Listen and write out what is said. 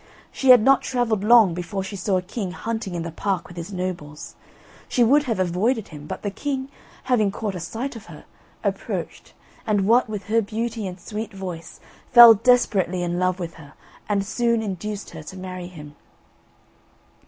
She had not travelled long before she saw a king hunting in the park with his nobles. She would have avoided him, but the king, having caught a sight of her, approached, and what with her beauty and sweet voice, fell desperately in love with her, and soon induced her to marry him.